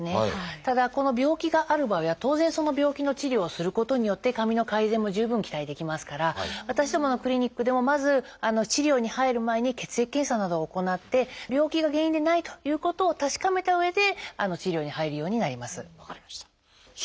ただこの病気がある場合は当然その病気の治療をすることによって髪の改善も十分期待できますから私どものクリニックでもまず治療に入る前に血液検査などを行って病気が原因でないということを確かめたうえで治療に入るようになります。